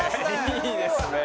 いいですねえ！